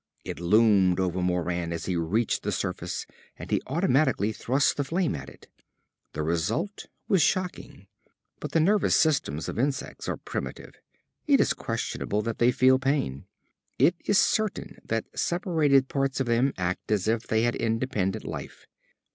It loomed over Moran as he reached the surface and he automatically thrust the flame at it. The result was shocking. But the nervous systems of insects are primitive. It is questionable that they feel pain. It is certain that separated parts of them act as if they had independent life.